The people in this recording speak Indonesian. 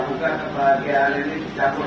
untuk ber incidence